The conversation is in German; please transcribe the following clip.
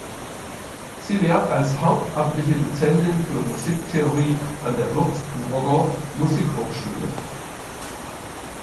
Sie lehrt als hauptamtliche Dozentin für Musiktheorie an der Würzburger Musikhochschule.